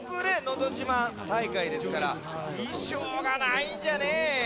のどじまん大会」ですからいしょうがないんじゃね。